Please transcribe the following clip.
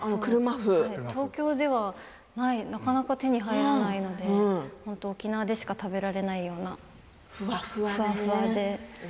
東京ではなかなか手に入らないので沖縄でしか食べられないようなふわふわで。